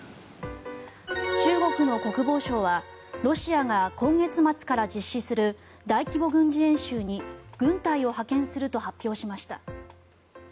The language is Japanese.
中国の国防省はロシアが今月末から実施する大規模軍事演習に軍隊を派遣すると発表しました。